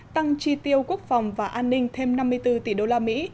tăng chi tiêu quốc phòng và an ninh thêm năm mươi bốn tỷ đô la mỹ